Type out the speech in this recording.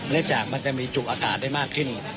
และจากมันจะมีจุกอากาศได้มากขึ้น